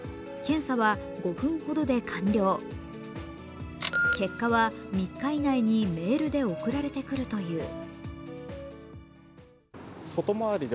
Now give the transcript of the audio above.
検査は５分ほどで完了、結果は３日以内にメールで送られてくるという。